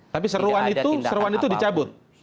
tapi seruan itu dicabut